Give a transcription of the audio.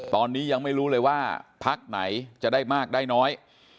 ตอนนี้ยังไม่รู้เลยว่าพักไหนจะได้มากได้น้อย